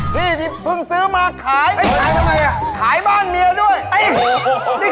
ที่อีสานอ่ะกิ้นกาเนี่ยเค้าเรียกกะปอม